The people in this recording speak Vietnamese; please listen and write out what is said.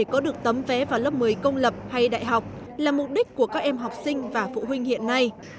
có được tấm vé vào lớp một mươi công lập hay đại học là mục đích của các em học sinh và phụ huynh hiện nay